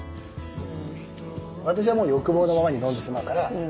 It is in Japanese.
私はもう欲望のままに飲んでしまうから。